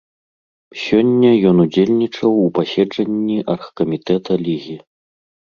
Сёння ён удзельнічаў у паседжанні аргкамітэта лігі.